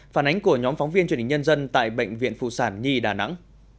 phản ánh của nhóm phóng viên truyền hình nhân dân tại bệnh viện phụ sản nhi đà nẵng